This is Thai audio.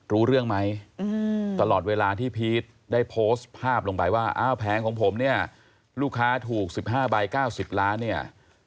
รู้เรื่องไหมตลอดเวลาที่พีชได้โพสต์ภาพลงไปว่าอ้าวแผงของผมเนี่ยลูกค้าถูก๑๕ใบ๙๐ล้านเนี่ย